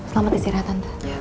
selamat istirahat tante